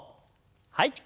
はい。